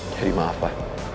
jadi maaf pa